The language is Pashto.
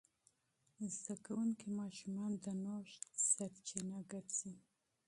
زده کوونکي ماشومان د نوښت سرچینه ګرځي.